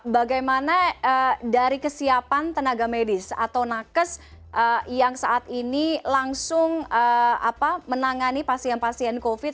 bagaimana dari kesiapan tenaga medis atau nakes yang saat ini langsung menangani pasien pasien covid